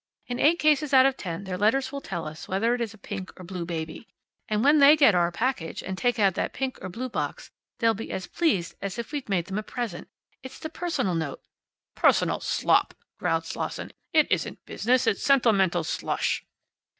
In eight cases out of ten their letters will tell us whether it's a pink or blue baby. And when they get our package, and take out that pink or blue box, they'll be as pleased as if we'd made them a present. It's the personal note " "Personal slop!" growled Slosson. "It isn't business. It's sentimental slush!"